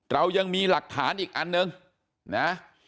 เรายังมีหลักฐานอีกอันนึงนะ